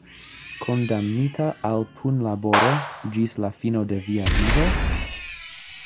Kondamnita al punlaboroj ĝis la fino de via vivo?